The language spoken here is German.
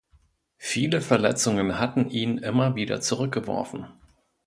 Viele Verletzungen hatten ihn immer wieder zurückgeworfen.